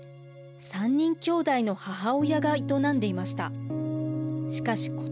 ３人きょうだいの母親が営んでいました。